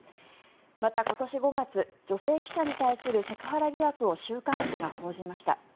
また、今年５月女性記者に対するセクハラ疑惑を週刊誌が報じました。